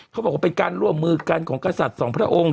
เขาบอกว่าเป็นการร่วมมือกันของกษัตริย์สองพระองค์